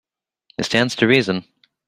It stands to reason.